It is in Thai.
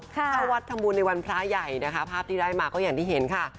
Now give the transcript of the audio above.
เข้าวัดทำบุญในวันพระใหญ่นะคะภาพที่ได้มาก็อย่างที่เห็นค่ะ